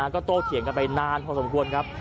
ก็โตเถียงกันไปนานพอสมควรครับ